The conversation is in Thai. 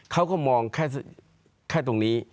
เขาก็มองแค่ตรงนี้